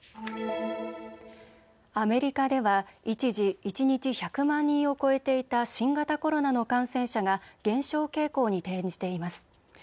アメリカでは一時、一日１００万人を超えていた新型コロナの感染者が減少傾向に転じています。